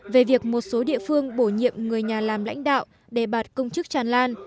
về việc một số địa phương bổ nhiệm người nhà làm lãnh đạo đề bạt công chức tràn lan